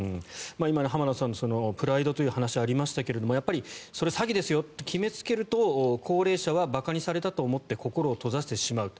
今、浜田さんのプライドという話がありましたがやっぱり、それ詐欺ですよって決めつけると高齢者は馬鹿にされたと思って心を閉ざしてしまうと。